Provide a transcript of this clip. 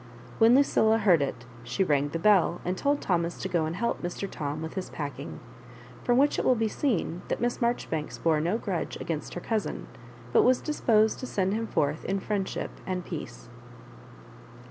When Lucilla heard it, she rang the bell, and told Thomas to go and help Mr. Tom with his packing ; from which it will be seen that Miss Maijoribanks bore no grudge against her cousin, but was disposed to send him forth in friendship and peace.